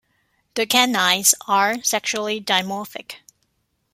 The canines are sexually dimorphic.